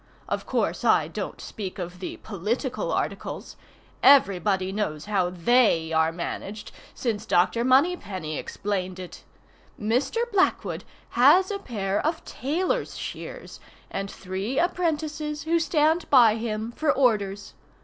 Of course I don't speak of the political articles. Everybody knows how they are managed, since Dr. Moneypenny explained it. Mr. Blackwood has a pair of tailor's shears, and three apprentices who stand by him for orders.